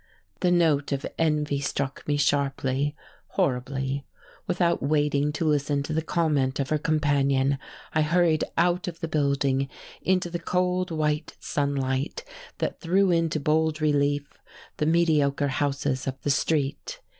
The note of envy struck me sharply horribly. Without waiting to listen to the comment of her companion I hurried out of the building into the cold, white sunlight that threw into bold relief the mediocre houses of the street.